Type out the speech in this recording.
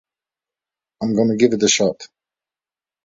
I'm gonna give it a shot.